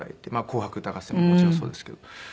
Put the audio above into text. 『紅白歌合戦』ももちろんそうですけど。